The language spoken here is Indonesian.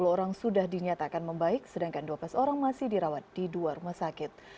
sepuluh orang sudah dinyatakan membaik sedangkan dua belas orang masih dirawat di dua rumah sakit